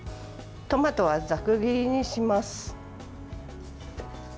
トマトはざく切りにします。